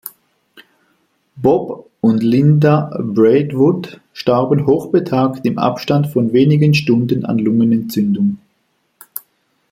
Bob und Linda Braidwood starben hochbetagt im Abstand von wenigen Stunden an Lungenentzündung.